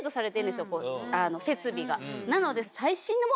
なので。